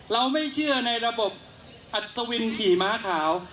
เราไม่เชื่อในระบบอัศวินขี่ม้าขาว